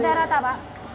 udah rata pak